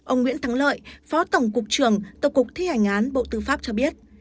ông nguyễn thắng lợi phó tổng cục trưởng tổng cục thi hành án bộ tư pháp cho biết